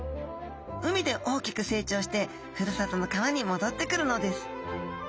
海で大きく成長してふるさとの川にもどってくるのです。